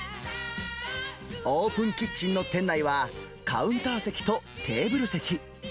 オープンキッチンの店内は、カウンター席とテーブル席。